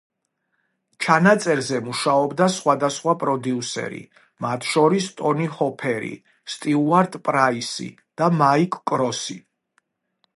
ჩანაწერზე მუშაობდა სხვადასხვა პროდიუსერი, მათ შორის ტონი ჰოფერი, სტიუარტ პრაისი და მაიკ კროსი.